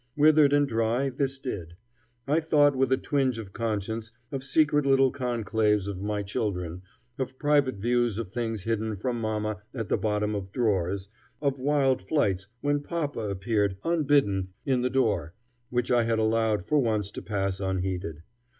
Withered and dry, this did. I thought, with a twinge of conscience, of secret little conclaves of my children, of private views of things hidden from mama at the bottom of drawers, of wild flights when papa appeared unbidden in the door, which I had allowed for once to pass unheeded.